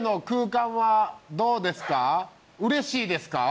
どうですか？